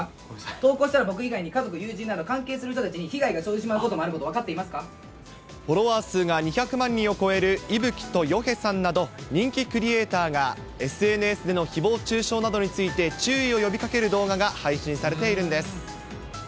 投稿したら、僕以外に家族、友人、関係する人にだって被害が生じてしまうことを分かっていまフォロワー数が２００万人を超える伊吹とよへさんなど、人気クリエーターが、ＳＮＳでのひぼう中傷などについて注意を呼びかける動画が配信されているんです。